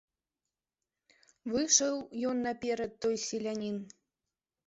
Выйшаў ён наперад, той селянін.